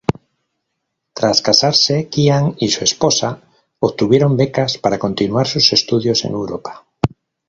Tras casarse, Qian y su esposa obtuvieron becas para continuar sus estudios en Europa.